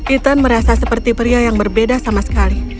ethan merasa seperti pria yang berbeda sama sekali